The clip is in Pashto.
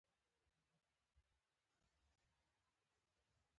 د میرمنو کار د ماشومانو روغتیا ساتنه کوي.